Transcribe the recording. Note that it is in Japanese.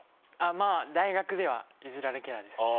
まぁ大学ではイジられキャラですね。